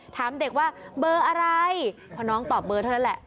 ถามเด็กว่าเบอร์อะไรพอน้องตอบเบอร์เท่านั้นแหละ